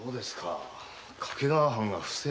掛川藩が不正をね。